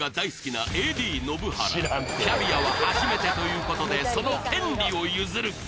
キャビアは初めてということでその権利を譲る